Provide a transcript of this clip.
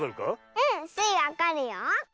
うん！スイわかるよ。